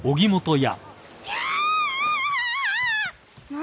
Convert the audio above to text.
何？